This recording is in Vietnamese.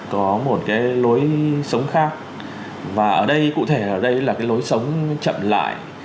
có một cái lối sống khác và ở đây cụ thể ở đây là cái lối sống chậm lại